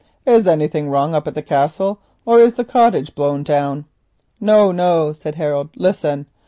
"Is anything wrong up at the Castle, or is the cottage blown down?" "No, no," said Harold; "listen.